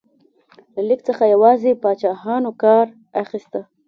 له لیک څخه یوازې پاچاهانو کار اخیسته.